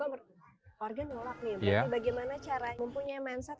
bagaimana cara mempunyai mindset yang berbeda tidak menggunakan mani politik